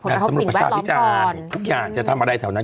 ผลกระทบสิ่งแวดล้อมก่อนทุกอย่างจะทำอะไรแถวนั้น